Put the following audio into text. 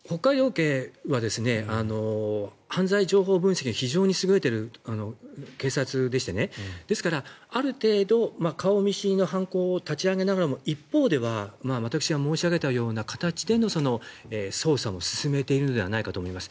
警は犯罪情報分析が非常に優れている警察でしてですから、ある程度顔見知りの犯行を立ち上げながらも一方では私が申し上げたような形での捜査を進めてるのではないかと思います。